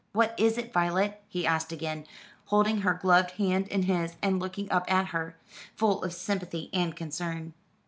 "What is it, Violet?" he asked again, holding her gloved hand in his, and looking up at her, full of sympathy and concern.